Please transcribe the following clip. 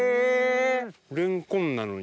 レンコンなのに。